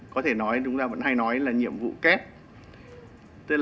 có thể nói đúng ra vẫn hay nói là nhiệm vụ kép